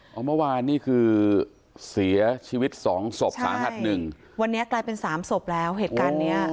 เอาเมื่อวานนี่คือเสียชีวิตสองศพสาหัสหนึ่งวันนี้กลายเป็นสามศพแล้วเหตุการณ์เนี้ย